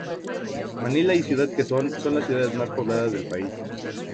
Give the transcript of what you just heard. Manila y Ciudad Quezón son las ciudades más pobladas del país.